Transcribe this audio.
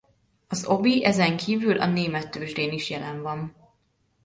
Az Obi ezen kívül a német tőzsdén is jelen van.